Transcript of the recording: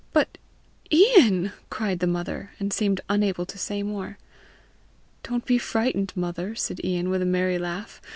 "But, Ian!" cried the mother, and seemed unable to say more. "Don't be frightened, mother!" said Ian, with a merry laugh.